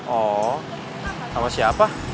oh sama siapa